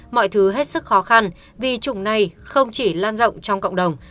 mọi thứ hết sức khó khăn vì chủng này không chỉ lan rộng trong cộng đồng